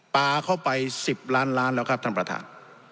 ปลาเข้าไป๑๐ล้านล้านแล้วครับท่านประธาน